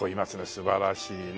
素晴らしいね。